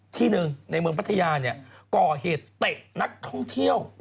ที่หนึ่งในเมืองพัทยาเนี่ยก่อเหตุเตะนักท่องเที่ยว